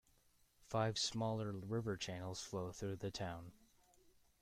Five smaller river channels flow through the town.